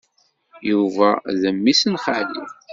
Yuba d memmi-s n xali.